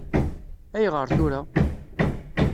Ayɣer tura?